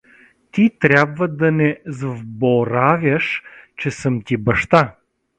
Ти тряба да не звборавяш, че аз съм ти баща.